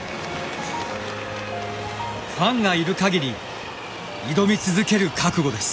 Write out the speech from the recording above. ファンがいるかぎり挑み続ける覚悟です。